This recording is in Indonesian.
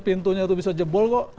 pintunya itu bisa jebol kok